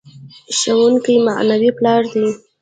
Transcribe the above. ښوونکی معنوي پلار دی.